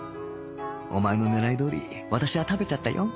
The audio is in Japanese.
お前の狙いどおり私は食べちゃったよ